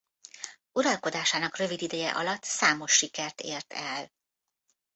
Uralkodásának rövid ideje alatt számos sikert ért el.